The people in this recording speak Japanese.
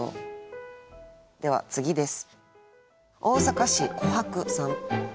では次です。